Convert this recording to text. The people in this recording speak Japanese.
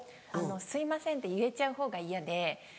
「すいません」って言えちゃうほうが嫌で。